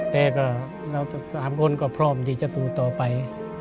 แต่ก็แล้วสามคนก็พร้อมที่จะสู้ต่อไป